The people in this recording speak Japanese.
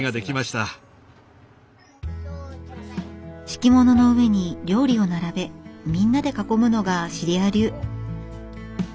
敷物の上に料理を並べみんなで囲むのがシリア流。